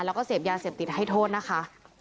แล้วก็เสพยาเสพติดให้โทษนะคะ